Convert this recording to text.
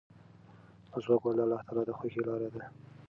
مسواک وهل د الله تعالی د خوښۍ لاره ده.